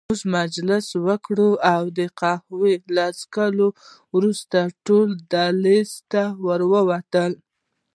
موږ مجلس وکړ او د قهوې له څښلو وروسته ټول دهلېز ته ور ووتو.